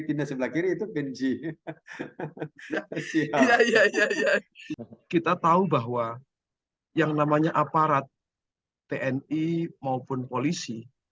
pindah sebelah kiri itu genji kita tahu bahwa yang namanya aparat tni maupun polisi